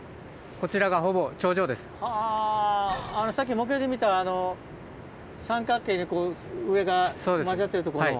こちらがさっき模型で見た三角形でこう上が交わってるとこの。